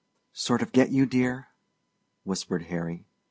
"Sort of get you dear?" whispered Harry.